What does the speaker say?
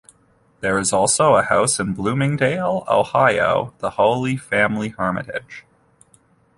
There is also a house in Bloomingdale, Ohiothe Holy Family Hermitage.